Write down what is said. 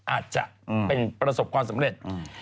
อาจจะเป็นประสบความสำเร็จ